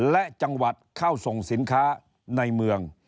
และจังหวัดเข้าส่งสินค้าในเมือง